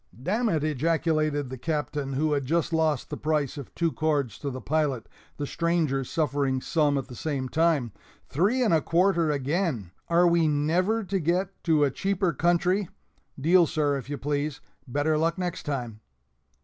"D nèt!" ejaculated the Captain, who had just lost the price of two cords to the pilot the strangers suffering some at the same time "three and a quarter again! Are we never to get to a cheaper country? (Deal, sir, if you please; better luck next time.)"